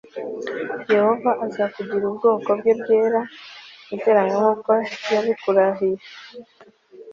yehova azakugira ubwoko bwe bwera+ nk'uko yabikurahiye